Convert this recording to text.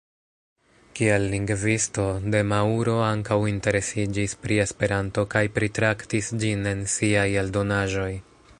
Kiel lingvisto, De Mauro ankaŭ interesiĝis pri Esperanto kaj pritraktis ĝin en siaj eldonaĵoj.